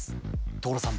所さん！